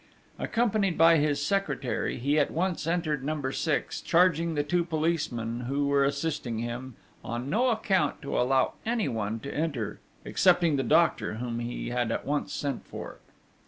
Accompanied by his secretary, he at once entered Number 6, charging the two policemen, who were assisting him, on no account to allow anyone to enter, excepting the doctor, whom he had at once sent for.